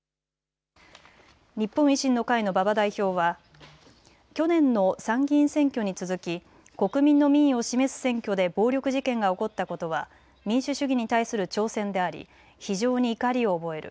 日本維新の会の馬場代表は、去年の参議院選挙に続き国民の民意を示す選挙で暴力事件が起こったことは民主主義に対する挑戦であり非常に怒りを覚える。